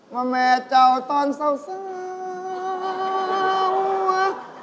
ว่าแม่เจ้าตอนเศร้า